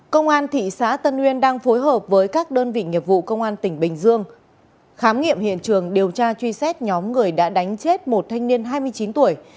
công an thị xã tân uyên đang phối hợp với các đơn vị nghiệp vụ công an tỉnh bình dương khám nghiệm hiện trường điều tra truy xét nhóm người đã đánh chết một thanh niên hai mươi chín tuổi